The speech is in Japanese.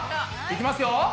いきますよ。